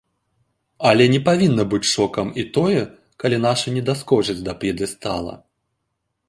Але не павінна быць шокам і тое, калі нашы не даскочаць да п'едэстала.